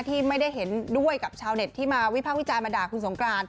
ที่ไม่ได้เห็นด้วยกับชาวเน็ตที่มาวิพากษ์วิจารณ์มาด่าคุณสงกราน